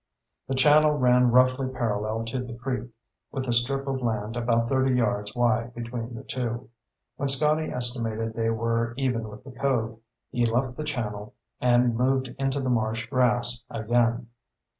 The channel ran roughly parallel to the creek, with a strip of land about thirty yards wide between the two. When Scotty estimated they were even with the cove, he left the channel and moved into the marsh grass again.